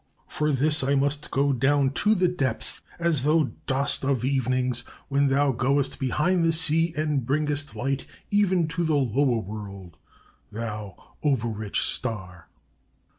For this I must go down to the depths: as thou dost of evenings, when thou goest behind the sea and bringest light even to the lower world, thou over rich star!